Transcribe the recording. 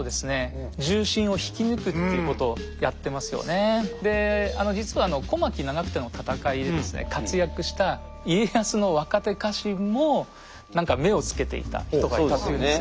あとはそので実は小牧・長久手の戦いで活躍した家康の若手家臣も何か目を付けていた人がいたというんですが。